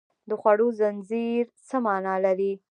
د خوړو زنځیر څه مانا لري